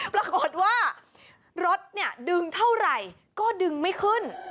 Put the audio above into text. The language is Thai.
ปรากฏว่ารถดึงเท่าไหร่ก็ดึงไม่ขึ้น